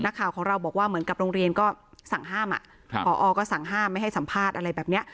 ข่าวของเราบอกว่าเหมือนกับโรงเรียนก็สั่งห้ามพอก็สั่งห้ามไม่ให้สัมภาษณ์อะไรแบบเนี้ย